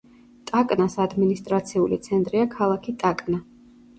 ტაკნას ადმინისტრაციული ცენტრია ქალაქი ტაკნა.